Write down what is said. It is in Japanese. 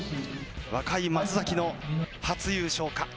若い松崎の初優勝か。